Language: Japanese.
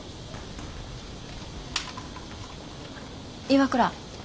岩倉。